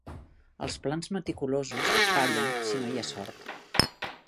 Els plans meticulosos fallen si no hi ha sort.